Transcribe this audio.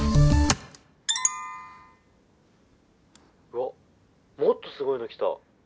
「わっもっとすごいの来た」